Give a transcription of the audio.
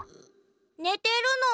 ねてるの？